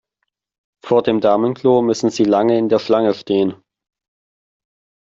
Vor dem Damenklo müssen Sie lange in der Schlange stehen.